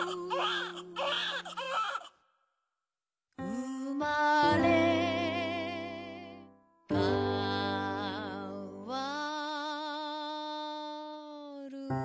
「うまれかわる」